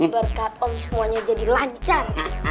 berkat om semuanya jadi lancar